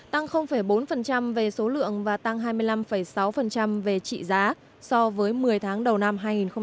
tăng bốn về số lượng và tăng hai mươi năm sáu về trị giá so với một mươi tháng đầu năm hai nghìn một mươi chín